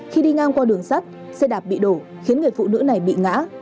khi đi ngang qua đường sắt xe đạp bị đổ khiến người phụ nữ này bị ngã